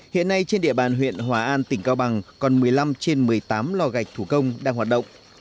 hiện nay trên địa bàn huyện hòa an tỉnh cao bằng còn một mươi năm trên một mươi tám lò gạch thủ công đang hoạt động